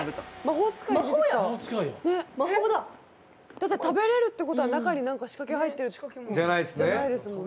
だって食べれるってことは中に何か仕掛け入ってるじゃないですもんね。